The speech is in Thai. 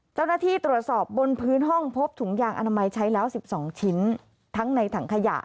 เจ้าหน้าที่ตรวจสอบบนพื้นห้องพบถุงยางอนามัยใช้แล้ว๑๒ชิ้นทั้งในถังขยะ